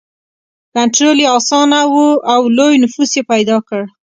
کنټرول یې اسانه و او لوی نفوس یې پیدا کړ.